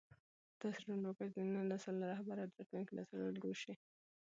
داسې ژوند وکړه چې د نن نسل رهبر او د راتلونکي نسل الګو شې.